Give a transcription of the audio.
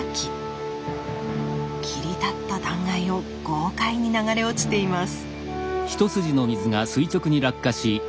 切り立った断崖を豪快に流れ落ちています。